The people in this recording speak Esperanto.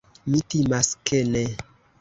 Mi timas, ke ne.